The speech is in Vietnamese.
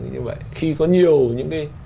như vậy khi có nhiều những cái